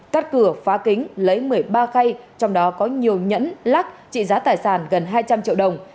cắt cửa phá kính lấy một mươi ba khay trong đó có nhiều nhẫn lắc trị giá tài sản gần hai trăm linh triệu đồng